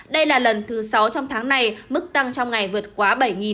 đây là lần thứ sáu trong tháng này mức tăng trong ngày vượt quá bảy